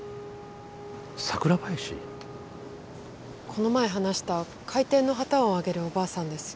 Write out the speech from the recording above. この前話した開店の旗を揚げるおばあさんです。